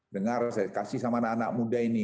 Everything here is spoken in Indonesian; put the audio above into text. dengar kasih sama anak anak muda ini